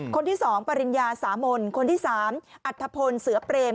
คนที่๒ปริญญาสามนคนที่๓อัธพลเสือเปรม